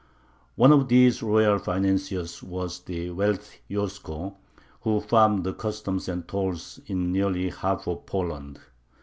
One of these "royal financiers" was the wealthy Yosko, who farmed the customs and tolls in nearly half of Poland.